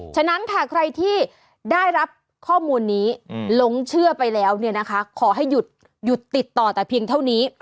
ฉะนั้นค่ะใครที่ได้รับข้อมูลนี้หลงเชื่อไปแล้วเนี่ยนะคะขอให้หยุดติดต่อแต่เพียงเท่านี้